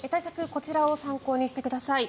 こちらを参考にしてください。